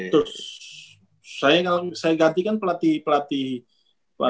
terus saya ganti kan pelatih pelatih pelatih